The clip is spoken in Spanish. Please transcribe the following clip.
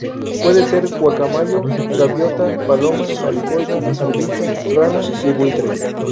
Puede ser: Guacamayo, Gaviota, Paloma, Mariposa, Ardilla, Rana y Buitre.